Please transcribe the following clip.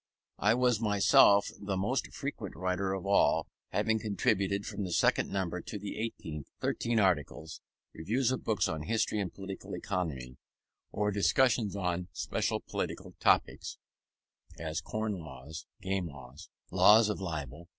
I was myself the most frequent writer of all, having contributed, from the second number to the eighteenth, thirteen articles; reviews of books on history and political economy, or discussions on special political topics, as corn laws, game laws, law of libel.